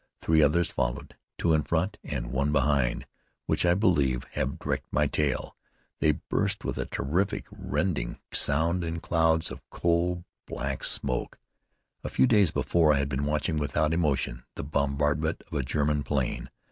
Three others followed, two in front, and one behind, which I believed had wrecked my tail. They burst with a terrific rending sound in clouds of coal black smoke. A few days before I had been watching without emotion the bombardment of a German plane.